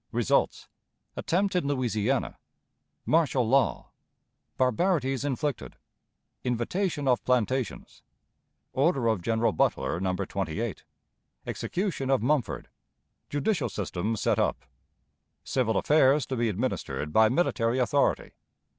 Results. Attempt in Louisiana. Martial Law. Barbarities inflicted. Invitation of Plantations. Order of General Butler, No. 28. Execution of Mumford. Judicial System set up. Civil Affairs to be administered by Military Authority.